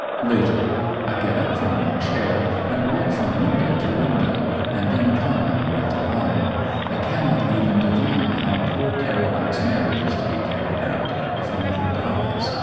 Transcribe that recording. Later. I get up from my chair, and walk from window to window, and then come and write a line. I cannot even divine how poor Caroline's marriage is to be carried out if mother dies.